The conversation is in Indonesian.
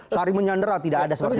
sari menyandera tidak ada seperti itu